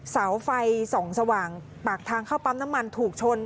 เสาไฟส่องสว่างปากทางเข้าปั๊มน้ำมันถูกชน